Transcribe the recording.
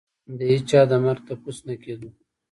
د هېچا د مرګ تپوس نه کېدو.